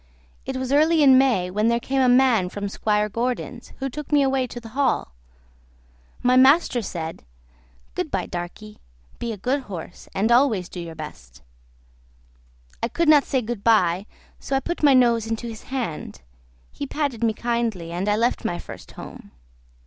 It was early in May, when there came a man from Squire Gordon's, who took me away to the hall. My master said, "Good by, Darkie; be a good horse, and always do your best." I could not say "good by", so I put my nose into his hand; he patted me kindly, and I left my first home.